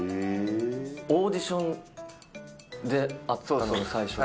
オーディションで会ったのが最初で。